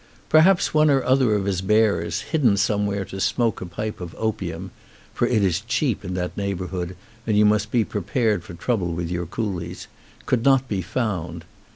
Perhaps one or other of his bearers, hid den somewhere to smoke a pipe of opium (for it is cheap in that neighborhood and you must be pre pared for trouble with your coolies) could not be found.